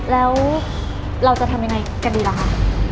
แล้วเราจะทำยังไงกันดีล่ะคะ